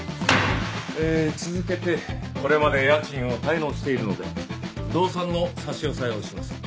えー続けてこれまで家賃を滞納しているので動産の差し押さえをします。